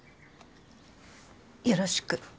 よろしく。